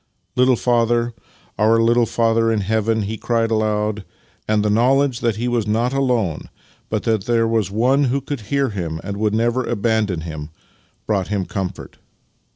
"Little Father — our Little Father in Heaven!" he cried aloud; and the knowledge that he was not alone, but that there was One who could hear him and would never abandon him, brought him comfort.